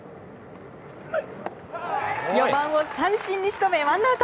４番を三振に仕留めワンアウト。